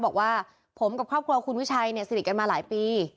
บอกว่าผมกับครอบครัวคุณวิชัยเนี่ยสนิทกันมาหลายปี